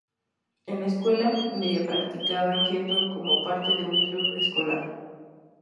En la escuela media practicaba kendo como parte de un club escolar.